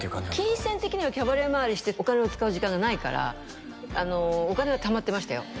金銭的にはキャバレー回りしてお金を使う時間がないからお金はたまってましたよ